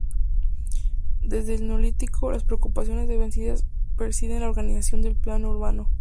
Desde el Neolítico, las preocupaciones defensivas presiden la organización del plano urbano.